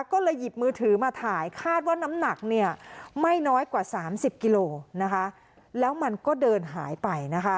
ก็เลยหยิบมือถือมาถ่ายคาดว่าน้ำหนักเนี่ยไม่น้อยกว่า๓๐กิโลนะคะแล้วมันก็เดินหายไปนะคะ